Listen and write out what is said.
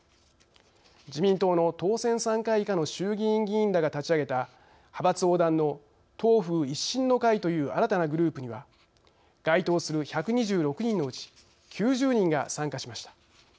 自民党の当選３回以下の衆議院議員らが立ち上げた派閥横断の「党風一新の会」という新たなグループには該当する１２６人のうち９０人が参加しました。